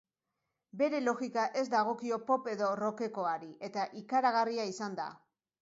Bere logika ez dagokio pop edo rockekoari, eta ikaragarria izan da.